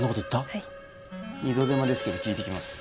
はい二度手間ですけど聞いてきます